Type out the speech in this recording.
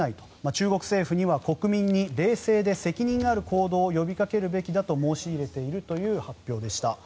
中国政府には国民に冷静で責任ある行動を呼びかけるべきだと申し入れているという発表でした。